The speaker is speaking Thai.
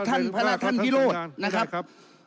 ท่านพระท่านพิโรธนะครับ